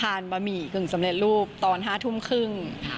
บะหมี่กึ่งสำเร็จรูปตอน๕ทุ่มครึ่ง